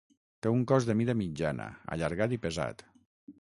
Té un cos de mida mitjana, allargat i pesat.